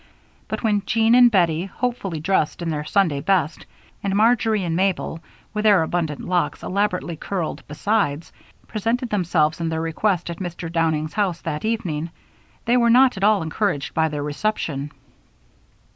But when Jean and Bettie, hopefully dressed in their Sunday best, and Marjory and Mabel, with their abundant locks elaborately curled besides, presented themselves and their request at Mr. Downing's house that evening, they were not at all encouraged by their reception.